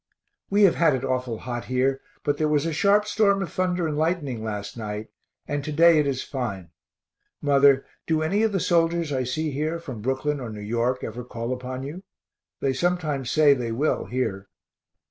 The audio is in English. We have had it awful hot here, but there was a sharp storm of thunder and lightning last night, and to day it is fine. Mother, do any of the soldiers I see here from Brooklyn or New York ever call upon you? They sometimes say they will here.